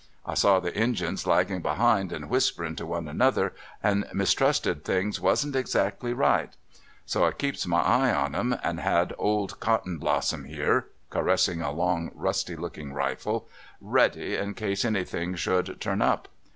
I saw the Injuns laggin' behind, and whisperin' to one another, and mistrusted things was n't exactly right. So I keeps ray eye on 'em, and had old Cottonblossom here [caressing a long, rusty looking rifle] ready in case any thing Jlie Ethics of Grizzly Hunting. 109 sliould turn up.